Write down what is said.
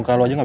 sa wat jalur